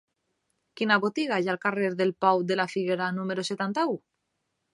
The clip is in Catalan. Quina botiga hi ha al carrer del Pou de la Figuera número setanta-u?